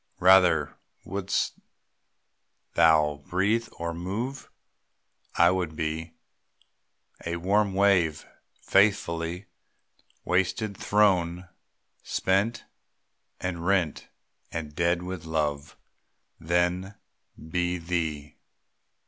Rather (wouldst thou breathe or move?) I would be A warm wave, faithful, wasted, thrown, Spent and rent and dead with love, Than be thee.